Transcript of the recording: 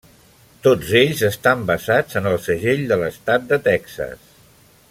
Tots ells estan basats en el segell de l'estat de Texas.